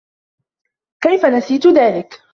كيف نسيت ذلك؟